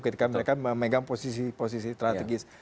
ketika mereka memegang posisi posisi strategis